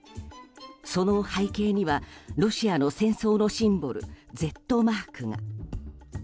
その背景にはロシアの戦争のシンボルＺマークが。